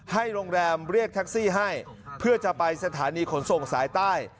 ให้โรงแรมเรียกแท็กซี่ให้เพื่อจะไปสถานีขนส่งสายใต้